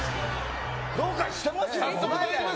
どうかしてますよ、本当に。